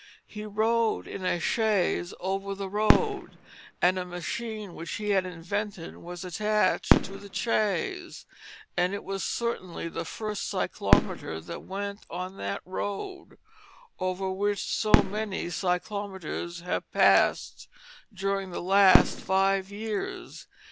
He rode in a chaise over the road; and a machine which he had invented was attached to the chaise; and it was certainly the first cyclometer that went on that road, over which so many cyclometers have passed during the last five years.